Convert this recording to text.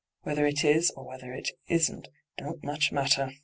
' Whether it ia or whether it isn't don't much matter.